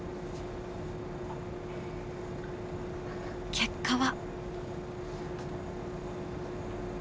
結果は？